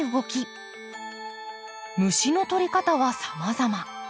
虫の捕り方はさまざま。